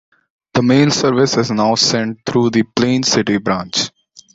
The mail service is now sent through the Plain City branch.